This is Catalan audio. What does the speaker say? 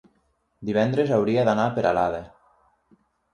divendres hauria d'anar a Peralada.